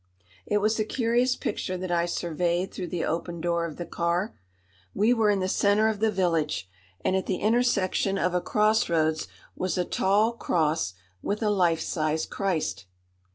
It was a curious picture that I surveyed through the opened door of the car. We were in the centre of the village, and at the intersection of a crossroads was a tall cross with a life size Christ.